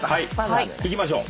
いきましょう。